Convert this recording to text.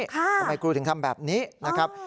ทำไมครูถึงทำแบบนี้นะครับ